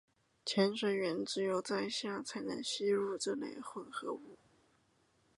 潜水员只有在下才能吸入这类混合物。